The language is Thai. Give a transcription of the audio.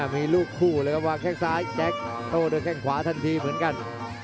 มีลูกคู่เลยครับวางแข้งซ้ายแจ็คโต้ด้วยแข้งขวาทันทีเหมือนกัน